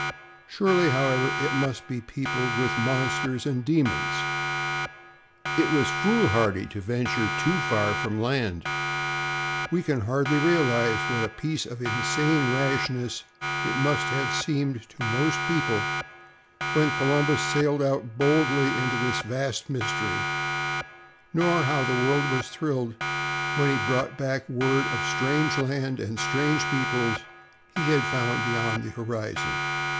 Surely, however, it must be peopled with monsters and demons. It was foolhardy to venture too far from land. We can hardly realize what a piece of insane rashness it must have seemed to most people when Columbus sailed out boldly into this vast mystery, nor how the world was thrilled when he brought back word of strange lands and strange peoples he had found beyond the horizon.